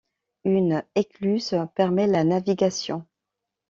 Une écluse permet la navigation.